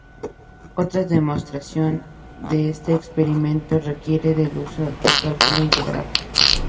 Otra demostración de este experimento requiere del uso de cálculo integral.